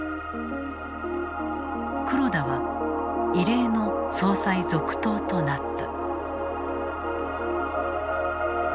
黒田は異例の総裁続投となった。